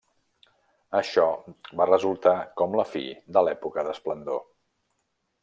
Això va resultar com la fi de l'època d'esplendor.